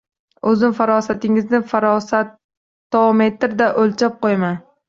O‘zim farosatingizni farosatometrda o‘lchab qo‘yaman.